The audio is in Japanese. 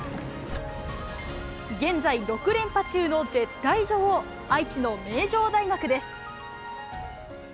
現在６連覇中の絶対女王、愛知の名城大学です。